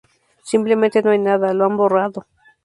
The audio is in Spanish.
Simplemente no hay nada, lo han borrado.